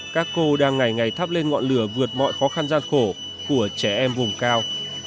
các cô đang ngày ngày thắp lên ngọn lửa vượt mọi khó khăn gian khổ của trẻ em vùng cao